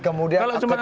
kemudian akut pembukaan